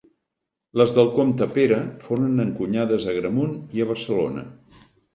Les del comte Pere foren encunyades a Agramunt i a Barcelona.